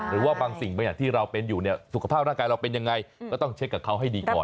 หรือว่าบางสิ่งบางอย่างที่เราเป็นอยู่เนี่ยสุขภาพร่างกายเราเป็นยังไงก็ต้องเช็คกับเขาให้ดีก่อน